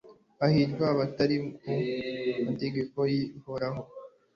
Hahirwa abita ku mategeko y’Uhoraho